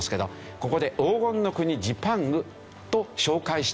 ここで黄金の国ジパングと紹介したんですよ。